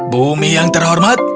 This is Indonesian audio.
bumi yang terhormat